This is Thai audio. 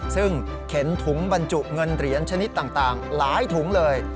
ซึ่งเข็นถุงบรรจุเงินเหรียญชนิดต่างหลายถุงเลย